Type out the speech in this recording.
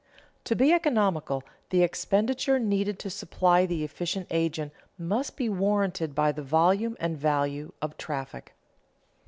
To be economical, the expenditure needed to supply the efficient agent must be warranted by the volume and value of traffic.